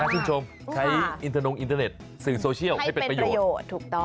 ชื่นชมใช้อินทนงอินเทอร์เน็ตสื่อโซเชียลให้เป็นประโยชน์